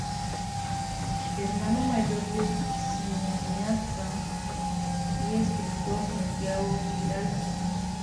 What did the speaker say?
Hermano mayor del cineasta y escritor Santiago Giralt.